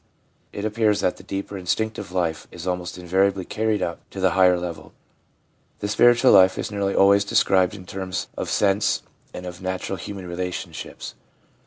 It appears that the deeper instinctive life is almost invariably carried up to the higher level ; the spiritual life is nearly always described in terms of ADULT LIFE— RELIGIOUS FEELINGS 329 sense and of natural human relationships.